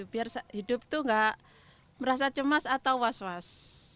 biar hidup itu nggak merasa cemas atau was was